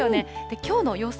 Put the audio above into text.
きょうの予想